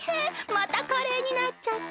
またカレーになっちゃった！